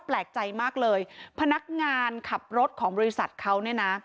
แปลกใจมากเลยพนักงานขับรถของบริษัทเขาเนี่ยนะ